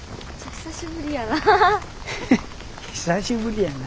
久しぶりやないで。